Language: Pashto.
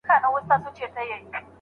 په ورځنۍ غذا کې کوم اړین شیان شامل دي؟